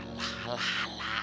alah alah alah